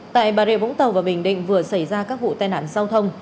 tại bà rịa vũng tàu và bình định vừa xảy ra các vụ tai nạn giao thông